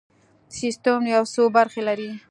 سیستم یو څو برخې لري.